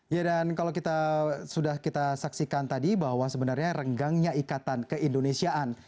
ya dan kalau kita sudah kita saksikan tadi bahwa sebenarnya renggangnya ikatan keindonesiaan